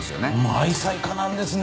愛妻家なんですね。